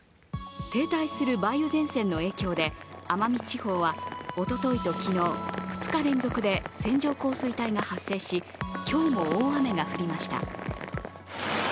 停滞する梅雨前線の影響で奄美地方はおとといと昨日、２日連続で、線状降水帯が発生し今日も大雨が降りました。